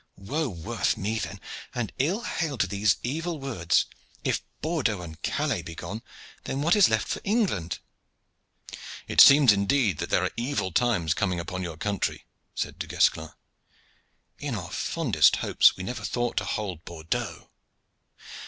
"Woe worth me then, and ill hail to these evil words! If Bordeaux and Calais be gone, then what is left for England?" "It seems indeed that there are evil times coming upon your country," said Du Guesclin. "In our fondest hopes we never thought to hold Bordeaux.